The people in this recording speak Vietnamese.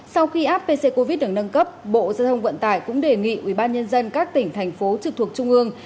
sau khi app pc covid được nâng cấp bộ gia thông vận tải cũng đề nghị ubnd các tỉnh thành phố trực thuộc trung ương